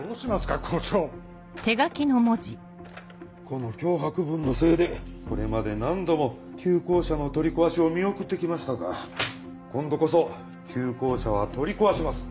この脅迫文のせいでこれまで何度も旧校舎の取り壊しを見送って来ましたが今度こそ旧校舎は取り壊します。